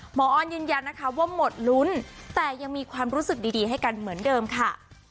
ออนยืนยันนะคะว่าหมดลุ้นแต่ยังมีความรู้สึกดีให้กันเหมือนเดิมค่ะ